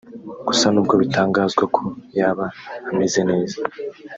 Gusa n’ubwo bitangazwa ko yaba ameze neza